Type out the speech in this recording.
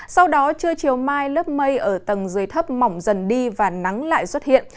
sau đó trưa chiều mai lớp mây ở tầng dưới thấp mỏng dần đi và nắng lại xuất hiện